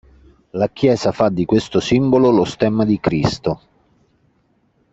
La chiesa fa di questo simbolo lo stemma di Cristo.